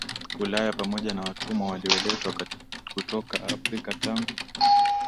Ulaya pamoja na watumwa walioletwa kutoka Afrika Tangu